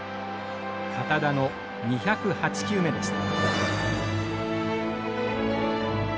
堅田の２０８球目でした。